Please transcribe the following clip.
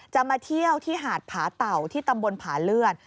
มาเที่ยวที่หาดผาเต่าที่ตำบลผาเลือด